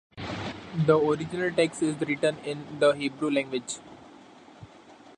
The original text is written in the Hebrew language.